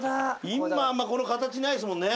今あんまこの形ないですもんね。